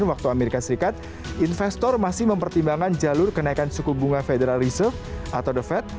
waktu amerika serikat investor masih mempertimbangkan jalur kenaikan suku bunga federal reserve atau the fed